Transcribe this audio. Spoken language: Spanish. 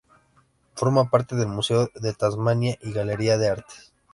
Forma parte del Museo de Tasmania y Galería de Arte.